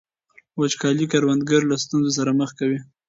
وچکالي کروندګر له ستونزو سره مخ کوي.